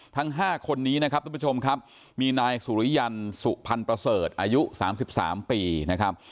ทั้ง๕คนนี้นะครับทุกผู้ชมครับมีนายสุริยันสุพรรณประเสริฐอายุ๓๓ปีนะครับ